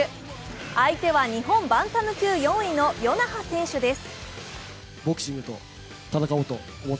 相手は日本バンタム級４位の与那覇選手です。